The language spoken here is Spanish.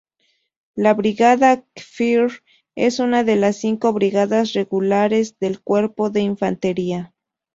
La brigada Kfir, es una de las cinco brigadas regulares del Cuerpo de Infantería.